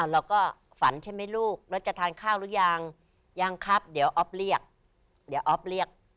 เราก็ฝันใช่ไหมลูกแล้วจะทานข้าวรึยังยังครับเดี๋ยวอ๊อปเรียก